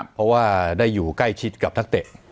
เพราะว่าได้อยู่ใกล้ชิดกับนักเตะ